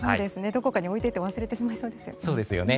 どこかに置いといて忘れてしまいそうですよね。